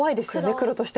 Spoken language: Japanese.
黒としては。